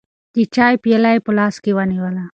د چای پیاله یې په لاس کې ونیوله.